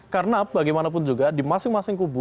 karena bagaimanapun juga di masing masing kubu